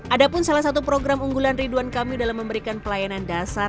ada pun salah satu program unggulan ridwan kamil dalam memberikan pelayanan dasar